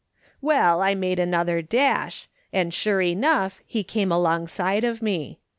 " Well, I made another dash, and sure enough he came alongside of me.